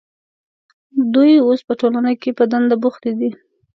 دوی اوس په ټولنه کې په دنده بوختې دي.